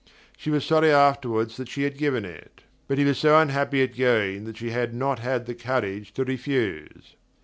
She was sorry afterward that she had given it, but he was so unhappy at going that she had not had the courage to refuse.